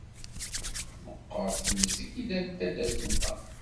Meqqert tmezgida n taddart-nneɣ.